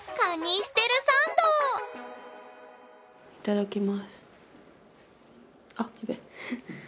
いただきます。